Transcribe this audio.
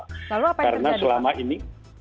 lalu apa yang terjadi